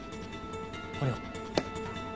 これを。